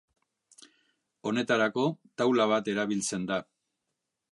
Honetarako taula bat erabiltzen da.